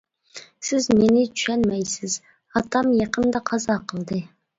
سىز مېنى چۈشەنمەيسىز، ئاتام يېقىندا قازا قىلدى.